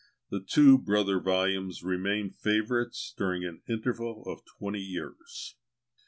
The two brother volumes remained favourites during an interval of twenty years.